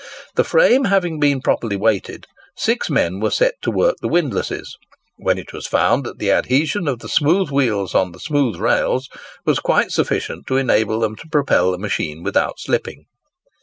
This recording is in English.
The frame having been properly weighted, six men were set to work the windlasses; when it was found that the adhesion of the smooth wheels on the smooth rails was quite sufficient to enable them to propel the machine without slipping.